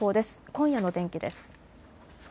今夜の天気です。